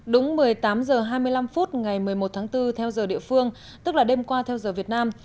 đúng một mươi tám h hai mươi năm phút ngày một mươi một tháng bốn theo giờ địa phương tức là đêm qua theo giờ việt nam